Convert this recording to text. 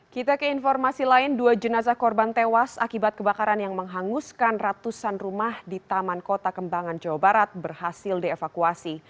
kita ke informasi lain dua jenazah korban tewas akibat kebakaran yang menghanguskan ratusan rumah di taman kota kembangan jawa barat berhasil dievakuasi